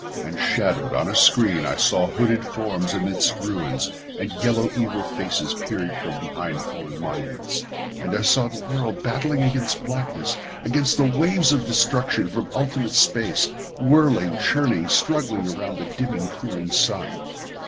And shadowed on a screen, I saw hooded forms amidst ruins, and yellow evil faces peering from behind fallen monuments. And I saw the world battling against blackness; against the waves of destruction from ultimate space; whirling, churning; struggling around the dimming, cooling sun.